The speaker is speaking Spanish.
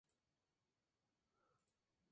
Este río constituye su frontera septentrional.